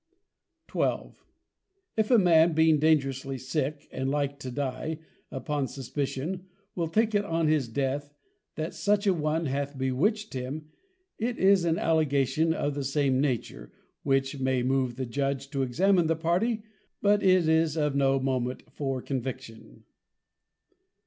_ XII. _If a man, being dangerously sick, and like to dye, upon Suspicion, will take it on his Death, that such a one hath bewitched him, it is an Allegation of the same nature, which may move the Judge to examine the Party, but it is of no moment for Conviction.